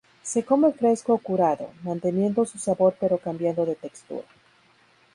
Se come fresco o curado, manteniendo su sabor pero cambiando de textura.